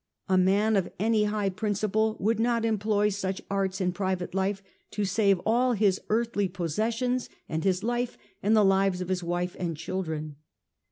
A man of any high prin ciple would not employ such arts in private life to save all his earthly possessions and his life and the lives of his wife and children.